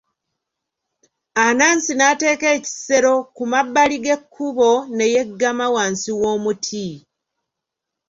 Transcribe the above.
Anansi n'ateeka ekisero ku mabbali g'ekkubo ne yeggama wansi w'omuti. .